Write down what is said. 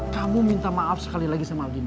kamu minta maaf sekali lagi sama algino